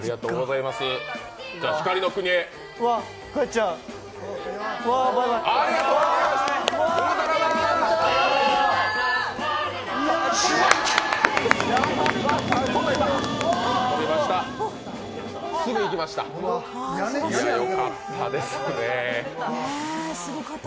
いや、すごかったですね。